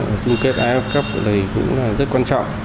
ở trung kết ielts cup này cũng rất quan trọng